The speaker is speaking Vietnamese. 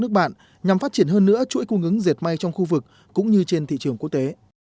nước bạn nhằm phát triển hơn nữa chuỗi cung ứng diệt may trong khu vực cũng như trên thị trường quốc tế